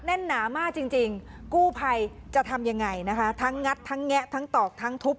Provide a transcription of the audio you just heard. แน่นหนามากจริงจริงกู้ภัยจะทำยังไงนะคะทั้งงัดทั้งแงะทั้งตอกทั้งทุบ